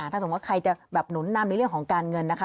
ถ้าสมมุติใครจะแบบหนุนนำในเรื่องของการเงินนะคะ